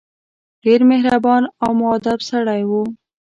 ډېر مهربان او موءدب سړی وو.